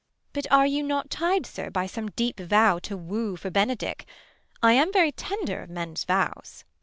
But are you not tied, sir, by some deep vow To woo for Benedick 1 I am very tender Of men's vows.